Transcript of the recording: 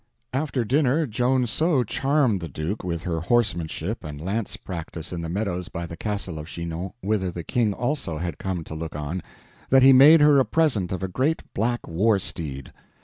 After dinner Joan so charmed the Duke with her horsemanship and lance practice in the meadows by the Castle of Chinon whither the King also had come to look on, that he made her a present of a great black war steed.